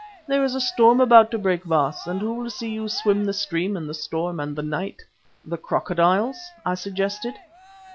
There is a storm about to break, Baas, and who will see you swim the stream in the storm and the night?" "The crocodiles," I suggested.